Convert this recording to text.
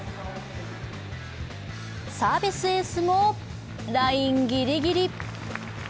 サービスエースも、ラインぎりぎり。